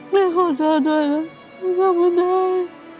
ไม่ขอโทษด้วยนะไม่ทำไม่ได้